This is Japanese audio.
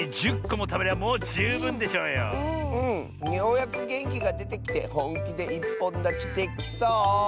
ようやくげんきがでてきてほんきでいっぽんだちできそう。